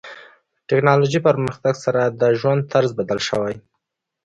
ټکنالوژي پرمختګ سره د ژوند طرز بدل شوی.